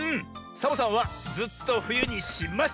サボさんはずっとふゆにします！